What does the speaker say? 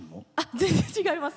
全然、違います。